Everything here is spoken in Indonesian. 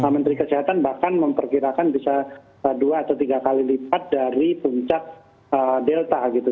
menteri kesehatan bahkan memperkirakan bisa dua atau tiga kali lipat dari puncak delta gitu